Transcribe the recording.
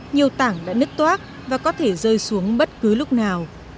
nhiều tảng đã nứt toác và có thể rơi xuống bất cứ lúc nào